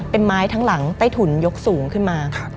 เป็นไม้ทั้งหลังใต้ถุนยกสูงขึ้นมา